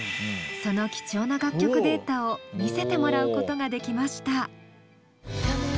その貴重な楽曲データを見せてもらうことができました。